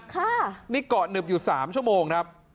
ค่ะนี่เกาะหนึบอยู่๓ชั่วโมงครับ